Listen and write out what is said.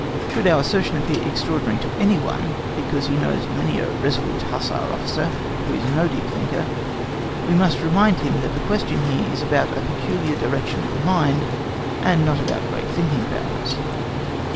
Should our assertion appear extraordinary to any one, because he knows many a resolute hussar officer who is no deep thinker, we must remind him that the question here is about a peculiar direction of the mind, and not about great thinking powers.